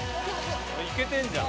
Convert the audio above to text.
いけてるじゃん。